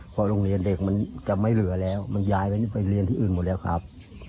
พอโรงเรียนเด็กมันจะไม่เหลือแล้วมันย้ายไปนี่ไปเรียนที่อื่นหมดแล้วครับ